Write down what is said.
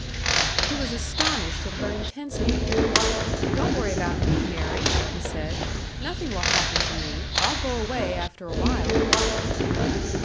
He was astonished at her intensity. "Don't worry about me, Mary," he said. "Nothing will happen to me. I'll go away after a while."